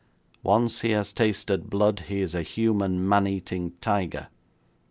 Once he has tasted blood he is a human man eating tiger.